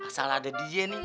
asal ada dj nih